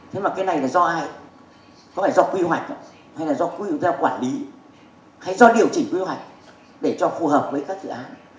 thế mà cái này là do ai có phải do quy hoạch hay là do quy chúng ta quản lý hay do điều chỉnh quy hoạch để cho phù hợp với các dự án